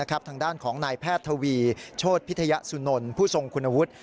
ทางด้านของนายแพทย์ทวีโชธพิทยสุนลผู้ทรงคุณวุฒิ